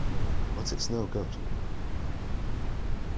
But it's no good.